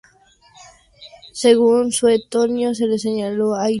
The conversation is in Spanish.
Según Suetonio, se le enseñó a hilar y tejer.